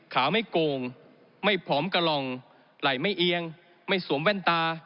ขาไม่โกงไม่ผอมกระหล่องไหล่ไม่เอียงไม่สวมแว่นตา